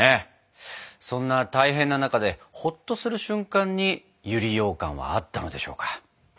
そんな大変な中でほっとする瞬間に百合ようかんはあったのでしょうか。